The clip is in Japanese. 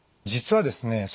実はですね